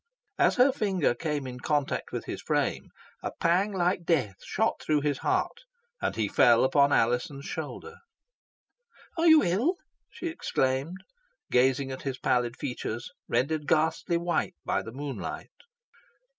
As her finger came in contact with his frame, a pang like death shot through his heart, and he fell upon Alizon's shoulder. "Are you ill?" she exclaimed, gazing at his pallid features, rendered ghastly white by the moonlight.